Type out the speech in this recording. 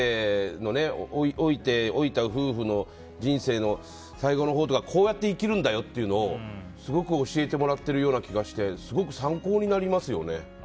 老いた夫婦の人生の最後のほうはこうやって生きるんだよというのをすごく教えてもらっているような気がしてすごく参考になりますよね。